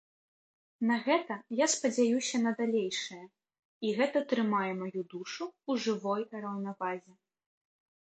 На гэта я спадзяюся на далейшае, і гэта трымае маю душу ў жывой раўнавазе.